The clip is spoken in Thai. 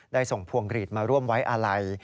ส่งพวงกรีดมาร่วมไว้อาลัย